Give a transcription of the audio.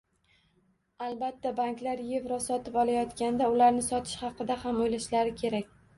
Albatta, banklar evro sotib olayotganda, ularni sotish haqida ham o'ylashlari kerak